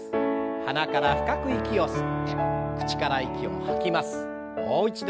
鼻から深く息を吸って口から息を吐きます。